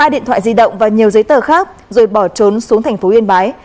ba điện thoại di động và nhiều giấy tờ khác rồi bỏ trốn xuống thành phố yên bái